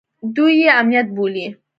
دوى يې امنيت بولي.